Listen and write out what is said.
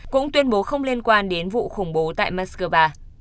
cũng tuyên bố không liên quan đến vụ khủng bố tại moscow